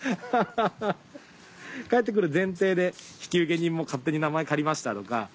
帰って来る前提で引受人も勝手に名前借りましたとか。